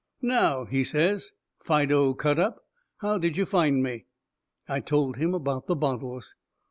"Now," he says, "Fido Cut up, how did you find me?"* I told him about the bottles.